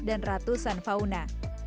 dan ratusan fauna